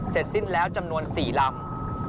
เสร็จสิ้นแล้วจำนวน๔ลำ